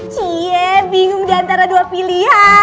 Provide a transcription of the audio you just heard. ciee bingung antara dua pilihan